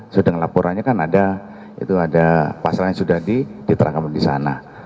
sudah melaporannya kan ada itu ada pasarnya sudah diterangkap di sana